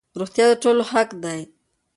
روغتيا د ټولو حق دی.